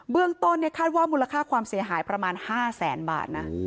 เรื่องต้นคาดว่ามูลค่าความเสียหายประมาณ๕แสนบาทนะ